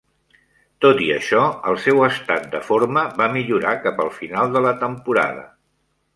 Tot i això, el seu estat de forma va millorar cap al final de la temporada.